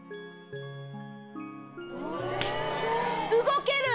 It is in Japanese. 動ける。